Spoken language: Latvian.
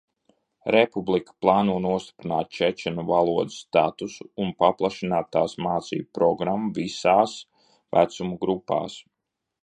Republika plāno nostiprināt čečenu valodas statusu un paplašināt tās mācību programmu visās vecuma grupās.